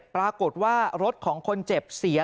ปรากฏว่ารถของคนเจ็บเสีย